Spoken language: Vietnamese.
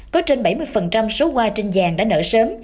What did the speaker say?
có trên bảy mươi số hoa trên vàng đã nợ sớm